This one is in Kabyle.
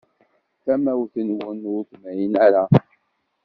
Tamawt-nwen ur temɛin ara.